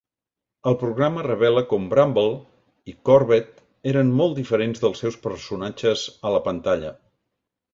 El programa revela com Brambell i Corbett eren molt diferents dels seus personatges a la pantalla.